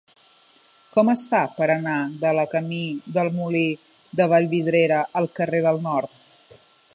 Com es fa per anar de la camí del Molí de Vallvidrera al carrer del Nord?